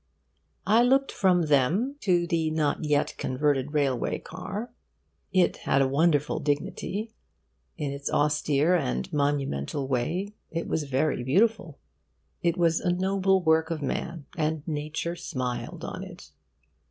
I looked from them to the not yet converted railway car. It had a wonderful dignity. In its austere and monumental way, it was very beautiful. It was a noble work of man, and Nature smiled on it.